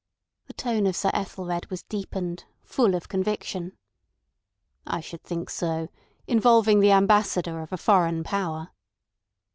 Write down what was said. The tone of Sir Ethelred was deepened, full of conviction. "I should think so—involving the Ambassador of a foreign power!"